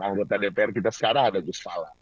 anggota dpr kita sekarang ada gus fallah